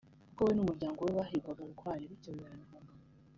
kuko we n’umuryango we bahigwaga bukware bityo turanahungana